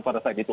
pada saat itu